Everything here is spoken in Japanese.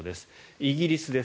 イギリスです。